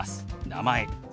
「名前」。